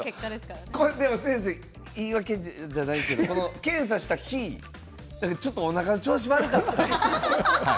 先生言い訳じゃないけど検査した日ちょっとおなかの調子悪かったんですよ。